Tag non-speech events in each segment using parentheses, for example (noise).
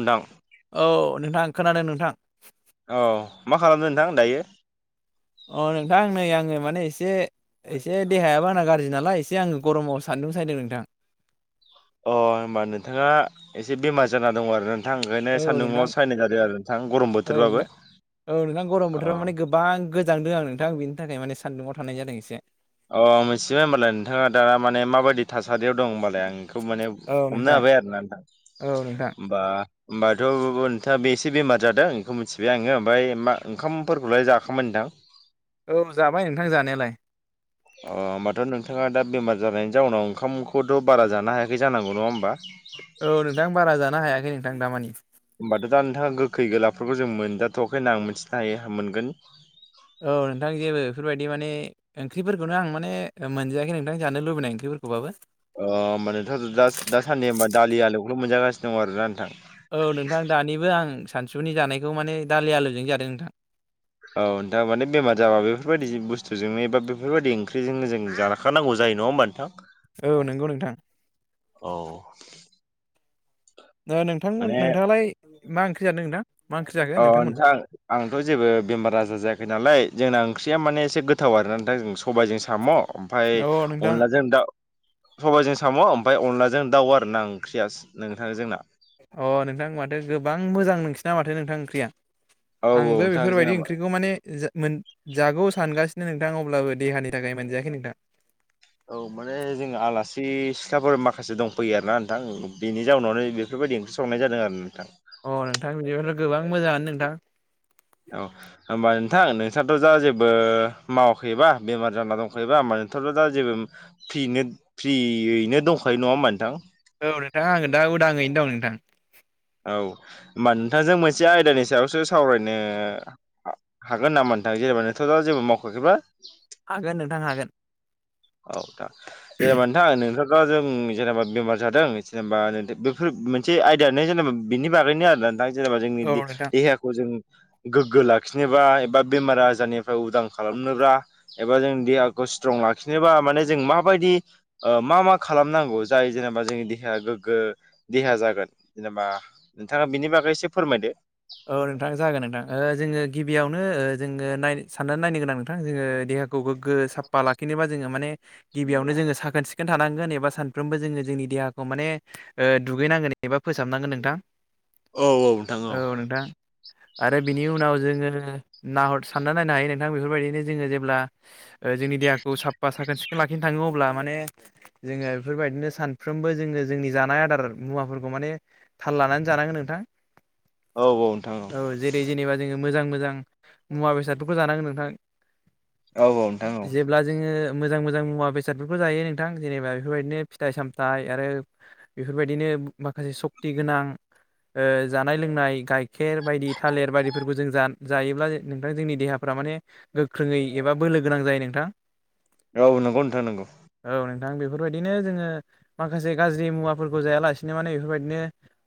उन्दां औ नोंथां खोनादों नोंथां औ मा खालामदों नोंथां दायो अ नोंथां नै आङो माने एसे एसे देहायाबो आंना गाज्रि नालाय एसे आङो गरमाव सान दुं सायदों नोंथां अ होमबा नोंथाङा एसे बेमार जाना दं आरो नोंथां ओंखायनो औ नोंथां सान्दुुंआव सायनाय जादों आरो नोंथां गरम औ नोंथां बोथोरबाबो औ नोंथां गरम अ बोथोराव माने गोबां गोजांदों आं नोंथां बेनि थाखाय माने सान्दुङाव थानाय जादों एसे अ मिथिबाय होनबालाय नोंथाङा दा माने माबायदि थासा रियाव दं होमबालाय आं बेखौ माने औ हमनो नोंथां हाबाय आरो ना नोंथां औ नोंथां होमबा होमबा (unintelligible) नोंथाङा बे एसे बेमार जादों बेखौ मिथिबाय आङो ओमफ्राय मा ओंखामफोरखौलाय जाखांबाय नोंथां? औ जाबाय नोंथां जानायालाय अ होमबाथ नोंथाङा दा बेमार जानायनि जाउनाव ओंखामखौथ बारा जानो हायाखै जानांगौ नङा होमबा? औ नोंथां बारा जानो हायाखै नोंथां दा‌ मानि होमबाथ दा नोंथाङा गोखै गोलाफोरखौ जों मोनजाथआखै हायो‌ मोनगोन बिदि माने ओंख्रिफोरखौनो आं माने मोनजायाखै नोंथां जानो लुबैनाय ओंख्रिफोरखौबाबो अ होमबा नोंथां दास दासानदि होमबा दालि आलुखौल मोनजागासिनो दङ आरो ना नोंथां? औ नोंथां दानिबो आं सानसुनि जानायखौ माने दालि आलुजोंनो जादों नोंथां औ नोंथां माने बेमार जाबा बेफोरबायदि बुस्थुजोंनो एबा बेफोरबायदि ओंख्रिजोंनो जों जाखानांगौ जाय नङा होनबा नोंथां? औ नंगौ नोंथां औ नोंथांमोन माने नोंथाङालाय मा ओंख्रि जादों नोंथां? मा ओंख्रि जाखो अ नोंथांमोना? नोंथां आंथ जेबो बेमार आजार जायाखै नालाय जोंना ओं ख्रिया माने एसे गोथाव आरो ना नोंथां सबायजों साम ओमफ्राय अ नोंथां अनलाजों दाव सबायाइजों साम ओमफ्राय अनदलाजों दाउ आरो ना ओंख्रिया नोंथां जोंना अ नोंथां माथो गोबां मोजां नोंसिना माथो नोंथां ओंख्रिया औ आंबो नोंथां जोंना बेफोरबायदि मा ओंख्रिखौ माने मोन जागौ सानगा- नो‌ नोंथां अब्लाबो देहानि थाखाय मोनजायाखै नोंथां औ माने जों आलासि सिख्लाफोर माखासे दंफैयो आरोना नोंथां बेनि जाउनावनो बेफोर बायदि ओंख्रि संनाय जादों आरो नोंथां अ नोंथां बिदिबाथ गोबां मोजाङानो नोंथां औ होमबा नोंथां नोंस्राथ दा जेबो मावाखैबा बेमार जाना दंखायोबा होनबा नोंथाङाथ दा जेबो पियैनो फ्रियैनो दंखायो नंङा होमबा नोंथां? औ नोंथां आंङो दा उदांङै नों दं नोंथां औ होमबा नोंथांजों मोनसे आयदानि सायावसो सावरायनो हागोन नामा नोथां जेनेबा नोंथांङाथ जेबो मावखाखैबा? हागोन नोंथां हागोन औ नोंथां जेनेबा नोंथां नोंथ जों जेनेबा बेमार जादों जेनेबा बेफोर मोनसे आयदायानो जेनेबा बिनि बागैनो आरो ना नोंथां जेनेबा जोंनि औ दे- नोंथां देहाखौ जों गोग्गो लाखिनोबा एबा बेमार आजारनिफ्राय उदां खालामनोबा एबा जों देहाखौ स्तंलाख खिनोबा माने जों माबायदि ओ मा मा खालामनांगौ जाय जेनेबा जोंनि देहाया गोग्गो देहा जागोन जेनेबा नोंथांङा बिनि बागै एसे फोरमायदो औ नोंथां जागोन नोंथां ओ जोंङो गिबियावनो जोंङो साननानै नायनो गोनां नोंथां जोंङो खौ गोग्गो साफा लाखिनोबा जोंङो माने गिबियावनो जोंङो साखोन सिखोन थानांगोन एबा सानफ्रोमबो जोङो जों देहाखौ माने ओ दुगैनांगोन एबा फोसाबनांगोन नोंथां औ औ नोंथां औ दा आरो बिनि उनाव जोंङो नाहर सानना नायनो हायो नोंथां बेफोरबायदिनो जोंङो जेब्ला जोंनि देहाखौ साफा साखोन सिखो लाखिनो थांङो अब्ला माने जोंङो बेफोरबायदिनो सानफ्रोमबो जोंङो जोंनि जानाय आदार मुवाफोरखौ माने थाल लानानै जानांगोन नोंथां औ औ नोंथां औ जेरै जेनेबा जोंङो मोजां मोजां मुवा बेसादफोरखौ जानांगोन नोंथां औ नोंथां औ जेब्ला जोंङो मोजां मोजां मुवा बेसादफोरखौ जायो नोंथां जेनेबा बेफोरबायदिनो फिथाइ सामथाइ आरो बेफोरबायदिनो माखासे सखति गोनां जानाय लोंनाय गाइखेर बायदि थालेर बायदि फोरखौ जों जायोब्ला नोंथां जोंनि देहाफ्रा माने गोख्रोंङै एबा बोलो गोनां जायो नोंथा औ नंगौ नोंथां नंगौ औ नोंथां बेफोरबायदिनो जोंङो माखासे गाज्रि मुवाफोरखौ जाया लासेनो माने बेफोरबायदिनो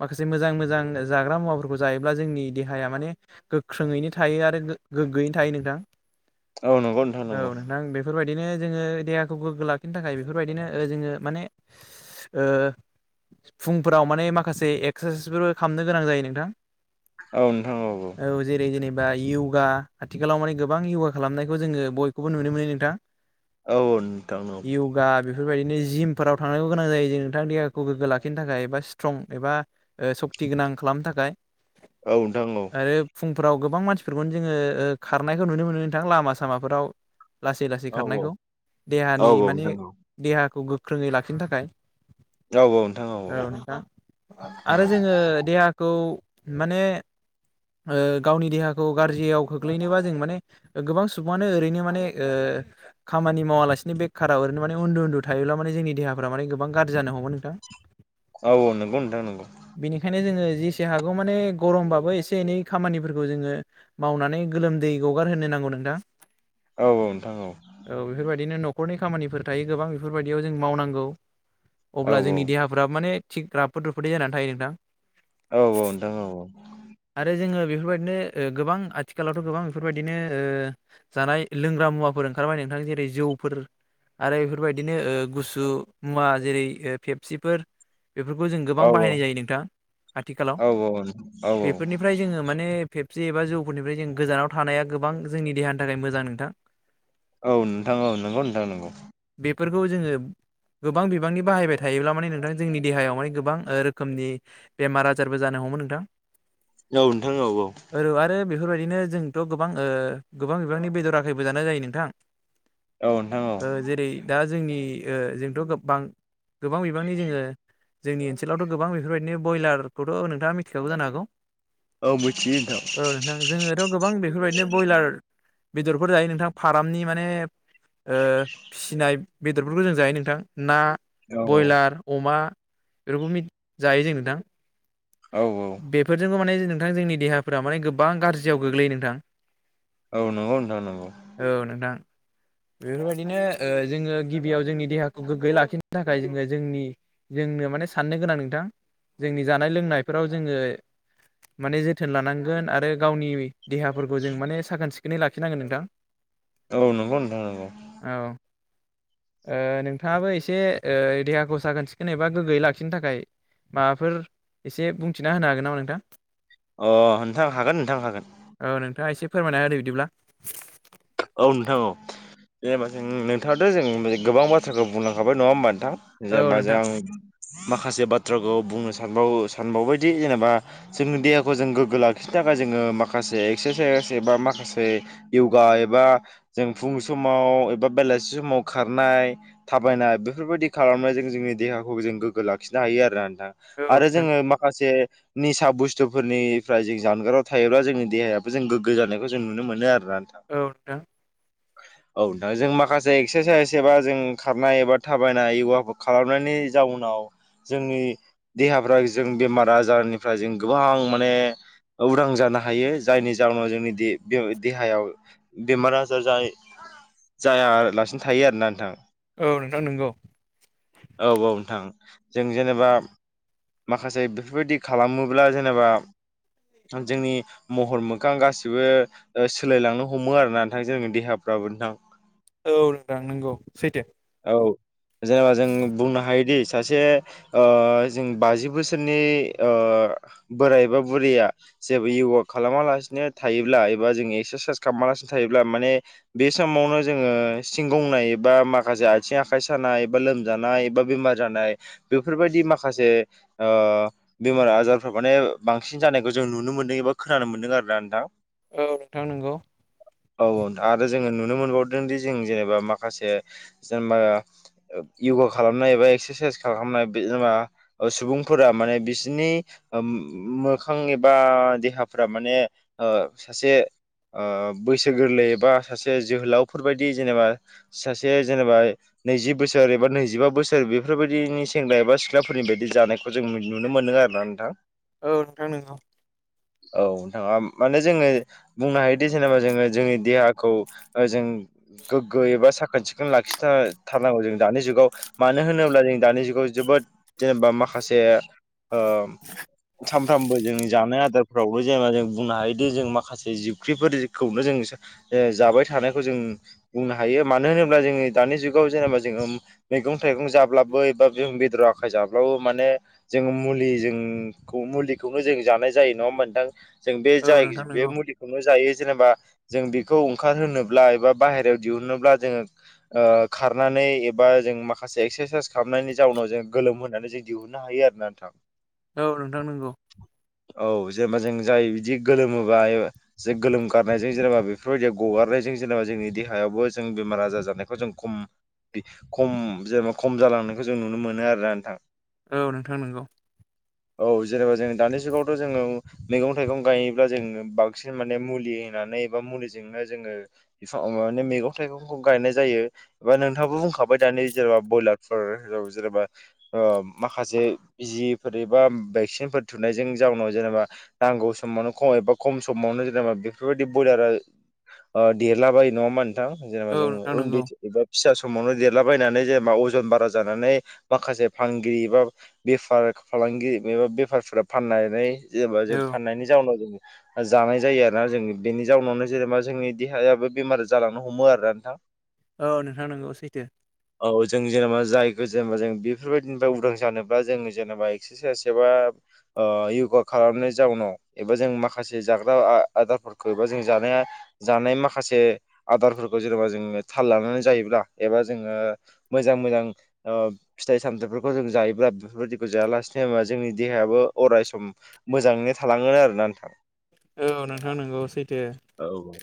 माखासे मोजां मोजां जाग्रा मुवाफोरखौ जायो ब्ला जोंनि देहाया माने गोख्रोङैनो थायो आरो गोग्गोयैनो थायो नोंथां औ नंगौ नोंथां नंगौ बिदिनो जोंङो देहाखौ गोग्गो लाखिनो थाखाय बेफोरबायदिनो जोंङो माने फुंफोराव माने माखासे एक्सारसाइसफोरबो खालामनो गोनां जायो नोंथां औ नोंथां औ औ बा य'गा आथिखालाव माने गोबां य'गा खालामनायखौ जोंङो बयखौबो नुनो मोनो नोंथां औ नोंथां औ य'गा बेफोरबायदिनो जिमफोराव थांनांगौ गोनां जायो जे नोंथां देहाखौ गोग्गो लाखिनो थाखाय एबा स्ट्रं एबा स फुथिगोनां खालामनो थाखाय औ नोंथां औ फोराव गोबां मानसिफोरखौनो जोंङो खारनायखौ नुनो मोनो नोंथां लामा सामाफोराव लासै लासै औ खारनायखौ औ देहानि माने नोंथां औ देहाखौ गोख्रोंङै लाखिनो थाखाय औ नोंथां औ नोंथां औ आरो जोंङो देहाखौ माने गावनि देहाखौ गाज्रियाव खोख्लैनोबा जों माने गोबां सुबुङानो ओरैनो माने खामानि मावालासिनो बेखार रनो माने उन्द उन्दु थायोब्ला माने जोंनि देहाफोरा माने गोबां गाज्रि जानो हमो नोंथां औ औ नंगौ नोंथां नगौ जोङो जेसे हागौ माने गरमबाबो एसे एनै खामानिफोरखौ जोंङो मावनानै गोलोमदै गगार होनो नांगौ नोंथां औ नोंथां औ औव बेफोरबायदिनो न'खरनि खामानिफोर थायो गोबां बेफोरबायदियाव जों मावनांगौ। औ अब्ला जोंनि देहाफोरा माने थिग राफोद रुफोदै जानानै थायो नोंथां। औव आरो जोङो बेफोरबायदिनो ओ गोबां आथिखालावथ' गोबां बेफोरबायदिनो ओ जानाय लोंग्रा मुवाफोर थार माने नोंथां जेरै जौफोर आरो बेफोरबायदिनो ओ गुसु मुवा जेरै ओ फेपसिफोर बेफोरखौ जों गोबां औ बाहायनाय जायो नोंथां आथिखालाव औ औ बेफोरनिफ्राय जोङो माने फेप सि एबा जौफोरनिफ्राय जों गोजानाव थानाया गोबां जोंनि देहानि थाखाय मोजां नोंथां। औव नोंथां औव नंगौ नोंथां नोंगौ। बेफोरखौ जोङो गोबां बिबांनि बाहायबाय थायोब्ला माने नोंथां जोंनि देहायाव हाय गोबां ओ रोखोमनि बेमार आजारबो जानो हमोमोन नों औव नोंथां औव औव औ आरो बेफोरबायदिनो जोंथ' गोबां ओ गोबां बिबांनि बेदर आखायबो जानाय जायो नोंथां। औ नोंथां औ ओ जेरै दा जोंनि ओ जोंथ' गोबां गोबां बिबांनि जोङो जोंनि ओनसोलावथ' गोबां बेफोरबायदिनो बयलारखौथ' नोंथाङा मिथि खाबाय जानो हागौ। औव मिथि औ नोंथां जोङोथ' गोबां बेफोरबायदिनो बयलार बेदरफोर जायो नोंथां फारामनि माने ओ फिसिनाय बेदरफोरखौ जों जायो नोंथां ना औ औ बयलार अमा बेफोरखौ मि जायो जोङो नोंथां। औ बेफोरजोंबो माने नोंथां जोंनि देहाफोरा माने गोबां गाज्रियाव गोग्लैयो नोंथां। औ नोंगौ नोंथां नोंगौ। औ नोंथां बेफोरबायदिनो ओ जोङो गिबियाव जोंनि देहाखौ गोग्गोयै लाखिनो थाखाय जोङो जोंनि जों जोंनो माने साननो गोनां नोंथां जोंनि जानाय लोंनायफोराव जोङो माने जोथोन लानांगोन आरो गावनि देहाफोरखौ जों माने साखोन सिखोनै लाखिनांगोन नोंथां। औ नोंगौ नोंथां नोंगौ। औ ओ नोंथाङाबो एसे ओ देहाखौ साखोन सिखोन एबा गोग्गोयै लाखिनो थाखाय माबाफोर एसे बुंथिना होनो हागोन नामा नोंथां। अ नोंथां हागोन नोंथां हागोन। औ नोंथाङा एसे फोरमायना होदो बिदिब्ला। औव नोंथां औव देबा जों नोंथाङाथ' जों गोबां बाथ्राखौ बुंलांखाबाय नङा होमबा नोंथां। औ जेनबा नोंथां जां माखासे बाथ्राखौ बुंनो सानबावो सानबावबायदि जेनेबा जोंनि देहाखौ जों गोग्गो लाखिनो थाखाय जोङो माखासे एक्सासाइस एबा माखासे यगा ए बा जों फुं समाव एबा बेलासि समाव खारनाय थाबायनाय बेफोरबायदि खा लामनायजों जोंनि देहाखौ जों गोगो लाखिनो हायो आरोना नोंथां औ आरो नोंथां जोङो माखासे निसा बुस्थुफोरनिफ्राय जों जानगाराव थायोब्ला जोंनि देहायाबो जों गोगो जानायखौ जों नुनो मोनो आरो ना नोंथां। औ नोंथां (unintelligible) औ नोंथां जों माखासे एक्सासाइस एबा जों खारनाय एबा थाबायनाय य'गाखौ खालामनायनि जाउनाव जोंनि देहाफ्रा जों बेमार आजारनिफ्राय जों गोबां माने उदां जानो हायो जायनि जाउनाव जोंनि दे-दो-देहायाव बेमार आजार जाय जायालासिनो थायो आरोना नोंथां। औ नोंथां नंगौ औ औ नोंथां। जों जेनेबा माखासे बेफोरबायदि खालामोब्ला जेनेबा जोंनि महर मोखां गासिबो ओ सोलायलांनो हमो आरोना नोंथां जोंनि देहाफ्राबो नोंथां। औ नोंथां नोंगौ सैथो। औ जेनेबा जों बुंनो हायोदि सासे ओ जों बाजि बोसोरनि ओ बोराय बा बुरैया जेबो य'गा खालामालासिनो थायोब्ला एबा जोंनि एक्सारसाइस खामालासिनो थायोब्ला माने बे समावनो जोङो सिंगंनाय बा माखासे आइथिं आखाइ सा नाय बा लोमजानाय बा बेमार जानाय बेफोरबायदि माखासे ओ बेमारा आजारफ्रा माने बांसिन जानायखौ जों नुनो मोनदों एबा खोनानो मोन्दों आरोना नोंथां औ नोंथां नंगौ औ नोंथां आरो जोङो नुनो मोनबावदों दि जों जेनेबा माखासे जेनेबा य'गा खालामनाय एबा एक्सारसाइस खालामनाय बे जेनबा सुबुंफोरा माने बिसिनि मोखां एबा देहाफ्रा माने ओ सासे ओ बैसो गोरलै एबा सासे जोहोलावफोरबायदि जेनेबा सासे जेनेबा नैजि बोसोर एबा नैजिबा बोसोर बेफोरबायदिनि सेंग्रा एबा सिख्लाफोरनि बायदि जानायखौ जों मो नुनो मोनो नो आरोना नोंथां औ नोंथां नोंगौ औ नोंथाङा माने जोङो बुंनो हायोदि जेनेबा जोङो जोंनि देहाखौ ओ जों गोगो एबा साख खोन सिखोन लाखिाथारनांगौ जों दानि जुगाव मानो होनोब्ला जों दानि जुगाव जोबोद जेनेबा माखासे ओ सानफ्रामबो जोंनि जानाय आदारफोरावबो जेनेबा जों बुंनो हायोदि जों माखासे जिबख्रिफोरजिखौनो जों ओ जाबाय थानायखौ जों बुंनो हायो मानो होनोब्ला जोङो दा दानि जुगाव जनेबा जोङो मैगं थायगं जाब्लाबो एबा जों बेदर आखाय जाब्लाबो माने जों मुलिजों मुलिखौनो जों जानाय जायो नङा होमबा नोंथां। जों बे औ जाय नोंथां बे नंगौ मुलि जायो जेनेबा जों बेखौ ओंखार होनोब्ला एबा बायहाराआव दिहुननोब्ला जोङो खारनानै एबा जों माखासे एक्सारसाइस खालामनायनि जाउनाव जों गोलोम होनानै जों दिहुननो हायो आरोना नोंथां। औ नोंथां नंगौ। औ जेनेबा जों जाय बिदि गोलोमोबा एबा जे गोलोम गारनायजों जेनेबा बेफोरबायदि गगार हरनायजों जेनेबा जोंनि देहायावबो जों बेमार आजार जानायखौ जों खम खम जेनेबा खम जालांनायखौ जों नुनो मोनो आरोना नोंथां। औ नोंथां नंगौ। औ जेनेबा जों दानि जुगावथ' जोङो मैगं थाइगं गायोब्ला जोङो बांसिनै माने मुलि होनानै एबा मुलिजोंनो जों (unintelligible) मैगं थाइगंखौ गायनाय जायो एबा नोंथाङाबो बुंखाबाय दानि जेनेबा ब्रयलार (unintelligible) जेनेबा ओ माखासे बिजिफोर एबा भेक्सिनफोर थुना नायजों जाउनाव जेनेबा नांगौ समावनो खम एबा खम समावनो जेनेबा बेफोरबायदि बयलारा ओ देरला बायो नङामा नोंथां जेनेबा औ जों नोंथां उन्दै नंगौ एबा फिसा समावनो देरलाबायनानै जेनेबा अजन बारा जानानै माखासे फालांगिरि एबा बेफार फालांगिरि एबा बेफारफोरा फाननानै जेनेबा जों औ फाननायनि जाउनाव जों जानाय जायो आरोना। जों बेनि जाउनावनो जेनेबा जोंनि देहायाबो बेमार जालांनो हमो आरोना नोंथां। औ नोंथां नंगौ सैथो। औ जों जेनेबा जायखौ जेनेबा जों बेफोरबायदिनिफ्राय उदां जानोब्ला जों जेनेबा एक्सारसाइस एबा ओ य'गा खालामनाय जाउनाव एबा जों माखासे जाग्रा आदारफोरखौ एबा जों जानाय जानाय माखासे आदारफोरखौ जेनेबा जोङो थाल लानानै जायोब्ला एबा जोङो मोजां मोजां मोजां ओ फिथाइ सामथाइफोरखौ जों जायोब्ला बेफोरबायादिखौ जायालासेनो मा जोंनि देहायाबो अरायसम मोजाङैनो थालाङो आरोना नोंथां। औ नोंथां नोंगौ सैथो। औ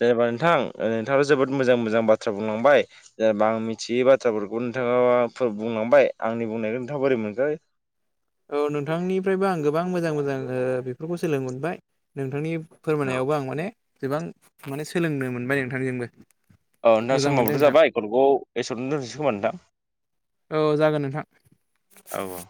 जेनेबा नोंथां नोंथाङा जोबोद मोजां मोजां बाथ्रा बुंलांबाय जेनेबा आं मिथियै बाथ्राफोरखौ नोंथाङा बुंलांबाय आंनि बुंनायखौ नोंथाङा बोरै मोनखो? औ नोंथांनिफ्रायबो आं गोबां मोजां मोजां ओ बेफोरखौ सोलों मोनबाय नोंथांनि औ फोरमायनायावबो आं माने गोबां माने सोलोंनो मोनबाय नोंथांजोंबो। औ नोंथां मोजां मोनदों समाबोथ' नोंथां जाबाय फनखौ एसेआवनो दोनथ'नोसै खोमा नोंथां। औ नोंथां औ औ